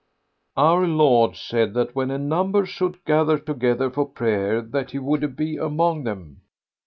"Our Lord said that when a number should gather together for prayer that He would be among them.